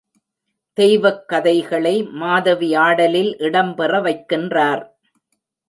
தெய்வக் கதைகளை மாதவி ஆடலில் இடம் பெற வைக்கின்றார்.